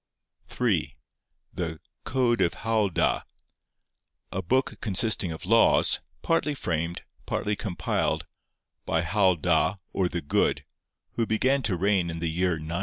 3. The 'Code of Howel Da;' a book consisting of laws, partly framed, partly compiled, by Howel Da, or the Good, who began to reign in the year 940.